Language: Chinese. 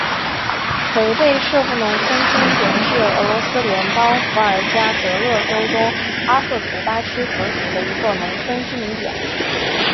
奎贝舍夫农村居民点是俄罗斯联邦伏尔加格勒州中阿赫图巴区所属的一个农村居民点。